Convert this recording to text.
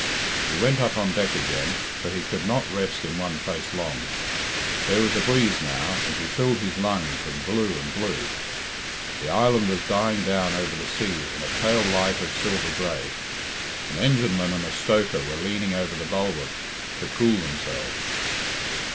He went up on deck again, for he could not rest in one place long. There was a breeze now, and he filled his lungs and blew and blew. The island was dying down over the sea in a pale light of silver grey. An engineman and a stoker were leaning over the bulwark to cool themselves.